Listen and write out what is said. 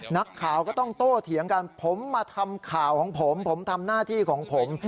นักข่าวก็ต้องโตเถียงกันผมมาทำข่าวของผมผมทำหน้าที่ของผม